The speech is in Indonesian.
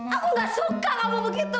aku gak suka kamu begitu